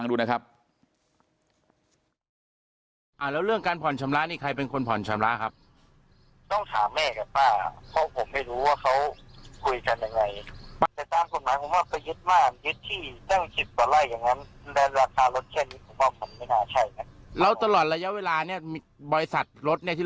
อืมแล้วเบอร์ที่เราทิ้งติดต่อไว้เป็นเบอร์ใครครับที่จะต้องโทรมาชำระค่ารถเนี่ย